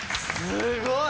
すごい！